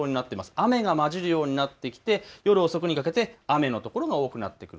雨が交じるようになってきて夜遅くにかけて雨の所が多くなってくる。